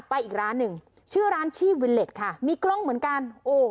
อีกร้านหนึ่งชื่อร้านชีพวิเล็ตค่ะมีกล้องเหมือนกันโอ้